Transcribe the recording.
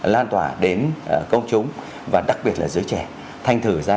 lan tỏa đến công chúng và đặc biệt là giới trẻ thanh thử ra